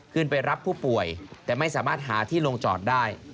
ขึ้นไปรับผู้ป่วยแต่ไม่สามารถหาที่ลงจอดได้